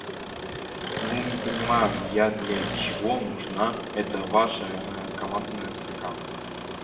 Ну не понимаю я для чего нужна эта ваша командная строка!